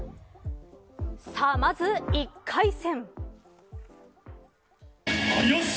さあ、まず１回戦。